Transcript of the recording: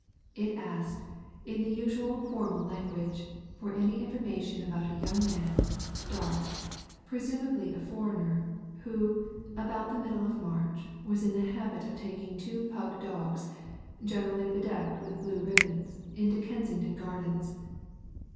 It asked, in the usual formal language, for any information about a young man, dark, presumably a foreigner, who, about the middle of March, was in the habit of taking two pug dogs, generally bedecked with blue ribbons, into Kensington Gardens.